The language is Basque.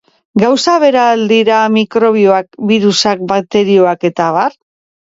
Gauza bera al dira mikrobioak, birusak, bakterioak eta abar?